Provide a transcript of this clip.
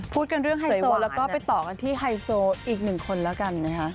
พูดกันเรื่องไฮโซแล้วก็ไปต่อกันที่ไฮโซอีกหนึ่งคนแล้วกันนะคะ